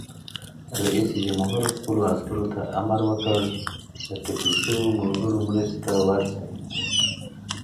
رئیس جمهور خپلو عسکرو ته امر وکړ؛ د ټپي شویو ملګرو مرستې ته ورشئ!